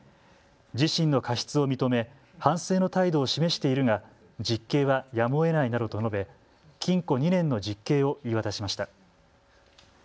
自身の過失を認め反省の態度を示しているが実刑はやむをえないなどと述べ、禁錮２年の実刑を言い渡しました。